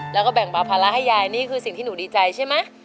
แล้วก็แบ่งเบาภาระให้ยายนี่คือสิ่งที่หนูดีใจใช่ไหม